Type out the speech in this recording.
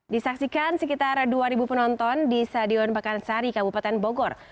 disaksikan sekitar dua penonton di stadion pakansari kabupaten bogor